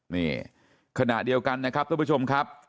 นี่ขณะเดียวกันนะครับทุกผู้ชมครับ